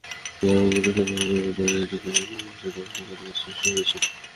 মালগুদাম সড়কের গেইটপাড় এলাকার ইজিবাইকস্ট্যান্ড মোড় অংশে ছোট-বড় অসংখ্য গর্তের সৃষ্টি হয়েছে।